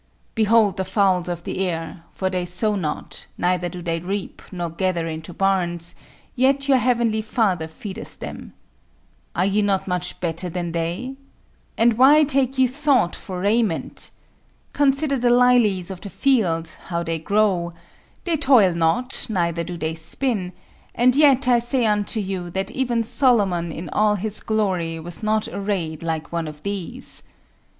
Behold the fowls of the air; for they sow not, neither do they reap nor gather into barns; yet your heavenly Father feedeth them. Are ye not much better than they? And why take ye thought for raiment? Consider the lilies of the field; how they grow; they toil not, neither do they spin; And yet I say unto you, that even Solomon in all his glory was not arrayed like one of these.